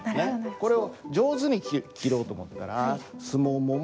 これを上手に切ろうと思ったら「すももももも。